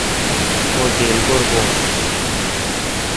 مہ گیل پر بھون۔